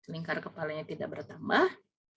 lingkar kepalanya tidak bertambah